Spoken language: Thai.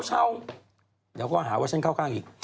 เช่าเดี๋ยวก็หาว่าฉันเข้าข้างอีก